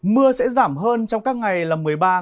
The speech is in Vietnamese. mưa sẽ giảm hơn trong các ngày là một mươi ba một mươi bốn